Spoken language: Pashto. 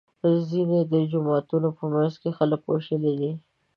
ځینې د جوماتونو په منځ کې خلک وژلي دي.